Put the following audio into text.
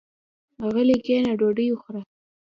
غلی کېنه ډوډۍ وخوره.